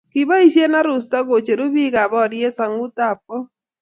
Kikiboisie arusta ke cheru biikab boriet sang'utab koot